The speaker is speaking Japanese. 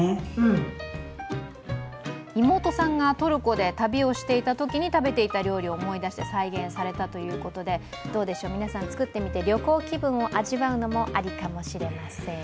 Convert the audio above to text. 妹さんがトルコで旅をしていたときに食べていた料理を思い出して再現されたということでどうでしょう、皆さん、作ってみて旅行気分を味わうのもアリかもしれません。